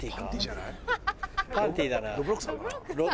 パンティーだな。